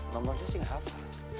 nomornya sih gak apa apa